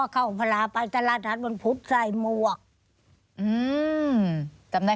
แต่ละคุณสกลจำคุณยายไม่ได้